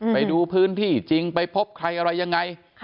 ไปดูพื้นที่จริงไปพบใครอะไรยังไง